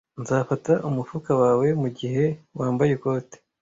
Nzafata umufuka wawe mugihe wambaye ikote.